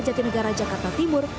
jatinegara jakarta timur